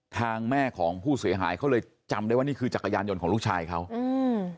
ทางแม่ของผู้เสียหายเขาเลยจำได้ว่านี่คือจักรยานยนต์ของลูกชายเขาอืม